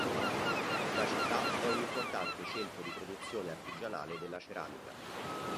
La città è un importante centro di produzione artigianale della ceramica.